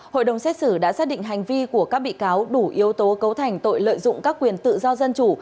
hội đồng xét xử đã xác định hành vi của các bị cáo đủ yếu tố cấu thành tội lợi dụng các quyền tự do dân chủ